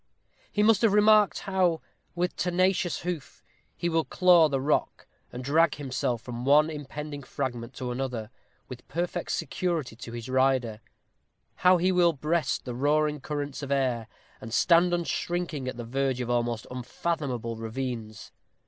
He must have remarked how, with tenacious hoof, he will claw the rock, and drag himself from one impending fragment to another, with perfect security to his rider; how he will breast the roaring currents of air, and stand unshrinking at the verge of almost unfathomable ravines.